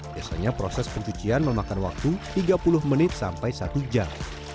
biasanya proses pencucian memakan waktu tiga puluh menit sampai satu jam